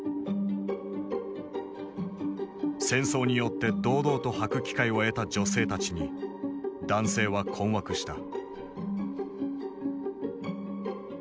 戦争によって堂々とはく機会を得た女性たちに男性は困惑した。